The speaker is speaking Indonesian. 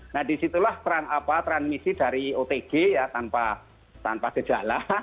nah disitulah transmisi dari otg ya tanpa gejala